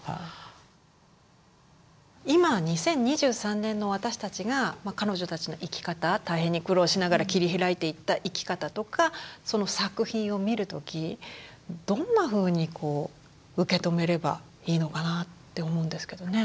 今２０２３年の私たちが彼女たちの生き方大変に苦労しながら切り開いていった生き方とかその作品を見る時どんなふうに受け止めればいいのかなって思うんですけどね。